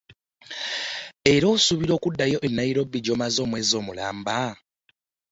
Era asuubira okuddayo e Nairobi gy'amaze omwezi omulamba